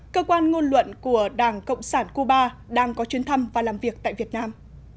cơ quan ngôn luận của đảng cộng sản cuba đang có chuyến thăm và làm việc tại việt nam